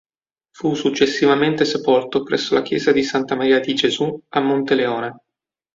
Fu successivamente sepolto presso la Chiesa di Santa Maria di Gesù a Monteleone.